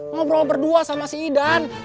ngobrol berdua sama si idan